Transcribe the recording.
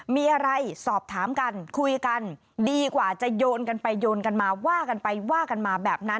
มีอะไรสอบถามกันคุยกันดีกว่าจะโยนกันไปโยนกันมาว่ากันไปว่ากันมาแบบนั้น